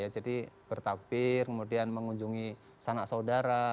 jadi bertakbir kemudian mengunjungi sanak saudara